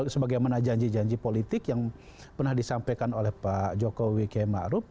sebagai mana janji janji politik yang pernah disampaikan oleh pak jokowi k ma'ruf